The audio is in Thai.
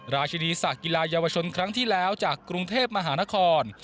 ราชินีศักดิกีฬาเยาวชนครั้งที่แล้วจากกรุงเทพมหานคร